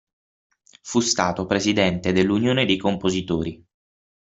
Fu stato presidente dell'Unione dei Compositori.